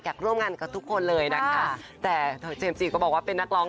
ร่วมงานกับทุกคนเลยนะคะแต่เจมส์จีก็บอกว่าเป็นนักร้อง